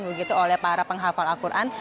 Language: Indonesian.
begitu oleh para penghafal al quran